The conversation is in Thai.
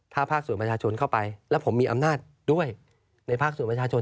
ถ้าภาคส่วนประชาชนเข้าไปแล้วผมมีอำนาจด้วยในภาคส่วนประชาชน